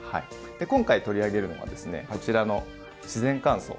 で今回取り上げるのがですねこちらの「自然乾燥」。